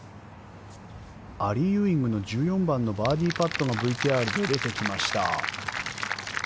アリー・ユーイングの１４番のバーディーパットのＶＴＲが出てきました。